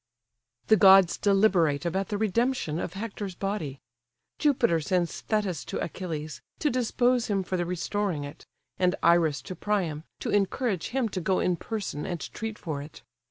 The gods deliberate about the redemption of Hector's body. Jupiter sends Thetis to Achilles, to dispose him for the restoring it, and Iris to Priam, to encourage him to go in person and treat for it.